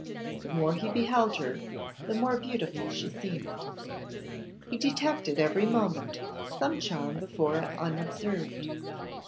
The more he beheld her the more beautiful she seemed. He detected every moment some charm before unobserved.